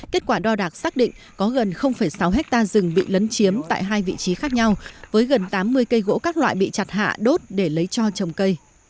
kết quả đo đạc xác định có gần sáu hectare rừng bị lấn chiếm tại hai vị trí khác nhau với gần tám mươi cây gỗ các loại bị chặt hạ đốt để lấy cho trồng cây